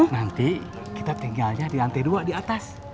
nanti kita tinggalnya di lantai dua di atas